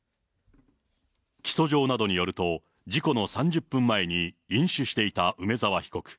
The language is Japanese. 起訴状などによると、事故の３０分前に飲酒していた梅沢被告。